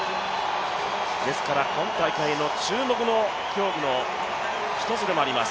ですから今大会の注目の競技の一つでもあります。